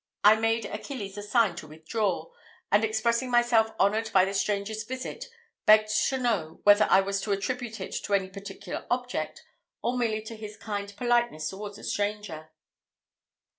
I made Achilles a sign to withdraw; and expressing myself honoured by the stranger's visit, begged to know whether I was to attribute it to any particular object, or merely to his kind politeness towards a stranger.